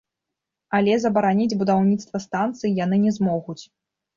Але забараніць будаўніцтва станцыі яны не змогуць.